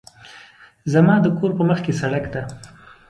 زما د کور په مخکې سړک ده